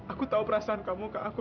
aku tahu perasaan kamu ke aku